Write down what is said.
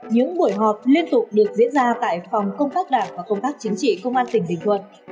những buổi họp liên tục được diễn ra tại phòng công tác đảng và công tác chính trị công an tỉnh bình thuận